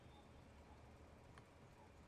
It is like a snap shot of the disease in time.